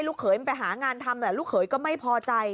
เขยมันไปหางานทำลูกเขยก็ไม่พอใจ